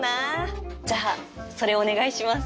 じゃあそれをお願いします。